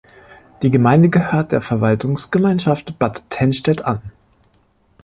Die Gemeinde gehört der Verwaltungsgemeinschaft Bad Tennstedt an.